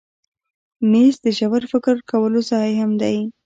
مېز د ژور فکر کولو ځای هم دی.